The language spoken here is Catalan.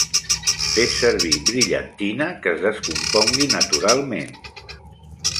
Fes servir brillantina que es descompongui naturalment.